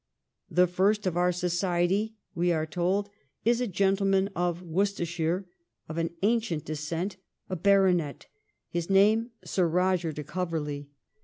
' The first of our society,' we are told, ' is a gentleman of Worcestershire, of an ancient descent, a baronet, his name Sir Eoger de Coverley.'